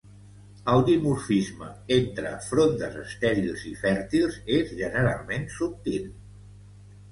El dimorfisme entre frondes estèrils i fèrtils és generalment subtil.